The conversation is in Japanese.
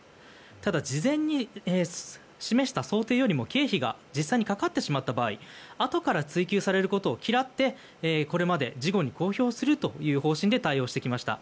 ただ、事前に示した想定よりも経費が実際にかかってしまった場合あとから追及されることを嫌ってこれまで事後に公表するという方針で対応してきました。